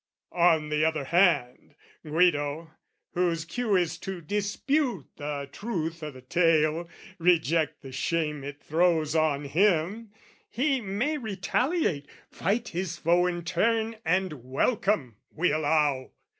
On the other hand, Guido, whose cue is to dispute the truth O' the tale, reject the shame it throws on him, He may retaliate, fight his foe in turn And welcome, we allow.